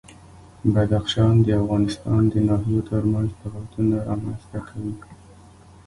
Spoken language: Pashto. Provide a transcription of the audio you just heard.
بدخشان د افغانستان د ناحیو ترمنځ تفاوتونه رامنځ ته کوي.